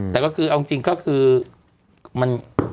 แต่ข้อจริงก็คือมัน